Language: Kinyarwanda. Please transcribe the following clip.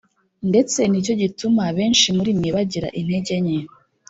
Ndetse nicyo gituma benshi muri mwe bagira intege nke,